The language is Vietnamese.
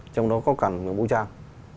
trong đó có cả người vũ trang